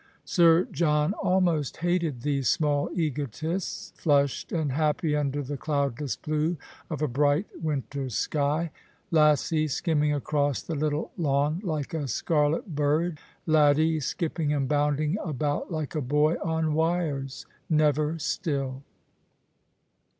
Sir John almost hated these small egotists, flushed and happy under the cloudless blue of a bright winter sky, Lassie skimming across the little lawn like a scarlet bird. Laddie skipping and bounding about like a boy on wires, never still.